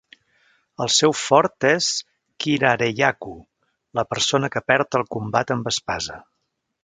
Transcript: El seu fort és "kirareyaku", la persona que perd el combat amb espasa.